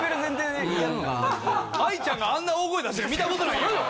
愛ちゃんがあんな大声出してるの見たことないよ。